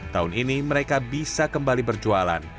tahun ini mereka bisa kembali berjualan